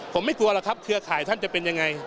ผมไม่กลัวหรอกครับเครือข่ายท่านจะเป็นยังไง